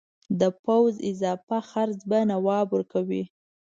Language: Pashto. د پوځ اضافه خرڅ به نواب ورکوي.